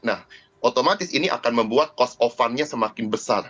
nah otomatis ini akan membuat cost of fundnya semakin besar